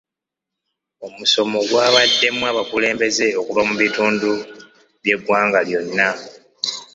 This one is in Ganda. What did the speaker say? Omusomo gwabaddemu abakulembeze okuva mu bitundu by'eggwanga lyonna.